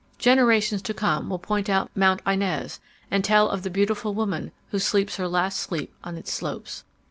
Generations to come will point out Mount Inez and tell of the beautiful woman who sleeps her last sleep on its slopes.